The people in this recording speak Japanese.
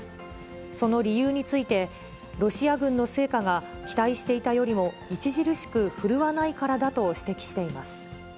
その理由について、ロシア軍の成果が期待していたよりも著しく振るわないからだと指摘しています。